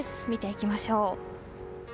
見ていきましょう。